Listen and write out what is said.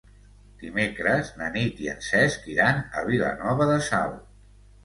Dimecres na Nit i en Cesc iran a Vilanova de Sau.